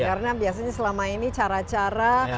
karena biasanya selama ini cara cara